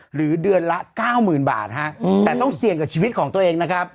หรือเดือนละเก้าหมื่นบาทฮะแต่ต้องเสี่ยงกับชีวิตของตัวเองนะครับ